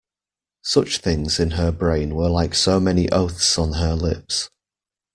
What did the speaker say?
Such things in her brain were like so many oaths on her lips.